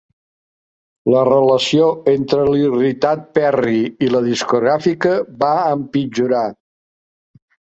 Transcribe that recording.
La relació entre l'irritat Perry i la discogràfica va empitjorar.